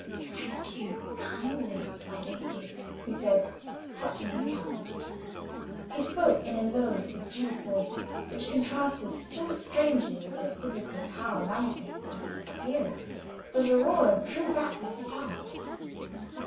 "Thank you kindly, my lady," he said, touching his cap. He spoke in a low, subdued voice, which contrasted so strangely with the physical power manifest in his appearance that Aurora drew back with a start.